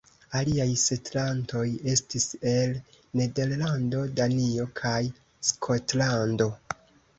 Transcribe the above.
Aliaj setlantoj estis el Nederlando, Danio, kaj Skotlando.